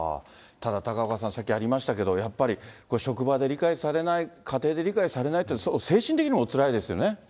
ただ、高岡さん、さっきありましたけれども、やっぱり職場で理解されない、家庭で理解されないって、精神的にもおつらいですよね。